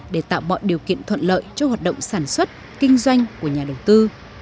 để tạo mọi điều kiện thuận lợi cho hoạt động sản xuất kinh doanh của nhà đầu tư